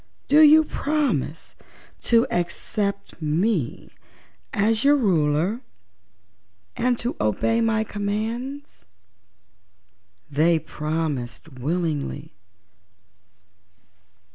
Do you promise to accept me as your Ruler and to obey my commands?" They promised willingly.